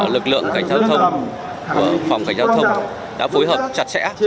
lực lượng cảnh giao thông phòng cảnh giao thông đã phối hợp chặt chẽ